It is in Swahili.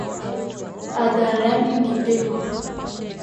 Hadharani ni pema.